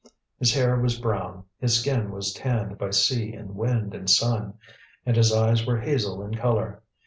His hair was brown, his skin was tanned by sea and wind and sun, and his eyes were hazel in colour.